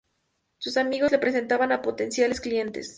Sus amigos le presentaban a potenciales clientes.